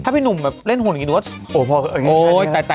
ถ้าพี่หนุ่มเล่นหุ่นอย่างนี้ดูว่า